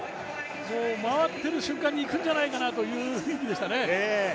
回ってる瞬間にいくんじゃないかという雰囲気でしたね。